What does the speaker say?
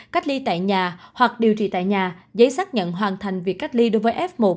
cách ly tại nhà hoặc điều trị tại nhà giấy xác nhận hoàn thành việc cách ly đối với f một